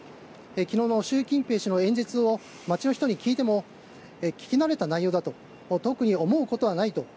昨日の習近平氏の演説を街の人に聞いても聞き慣れた内容だと特に思うことはないと。